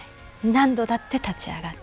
何度だって立ち上がって。